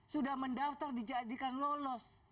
sudah mendaftar dijadikan nolos